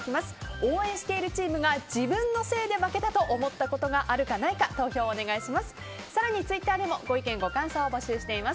応援しているチームが自分のせいで負けたと思ったことがあるかないか投票をお願いします。